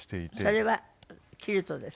それはキルトですかね。